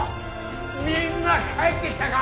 みんな帰ってきたか！